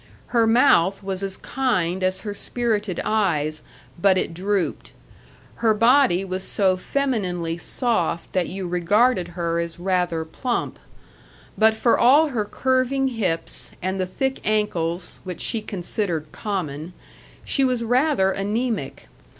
Her mouth was as kind as her spirited eyes, but it drooped. Her body was so femininely soft that you regarded her as rather plump. But for all her curving hips, and the thick ankles which she considered "common," she was rather anemic.